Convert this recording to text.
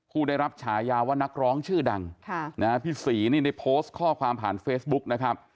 ผู้ได้รับฉายาว่านักร้องชื่อดังพี่ศรีนี่ได้โพสต์ข้อความผ่านเฟซบุ๊กนะครับ